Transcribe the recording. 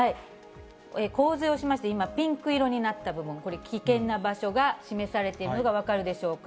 洪水を押しまして、今、ピンク色になった部分、これ危険な場所が示されているのが分かるでしょうか。